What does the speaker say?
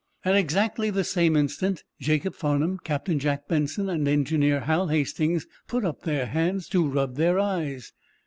At exactly the same instant Jacob Farnum, Captain Jack Benson and Engineer Hal Hastings put up their hands to rub their eyes.